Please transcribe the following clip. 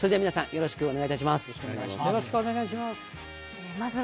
よろしくお願いします。